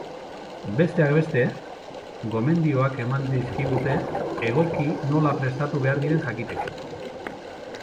Besteak beste, gomendioak eman dizkigute egoki nola prestatu behar diren jakiteko.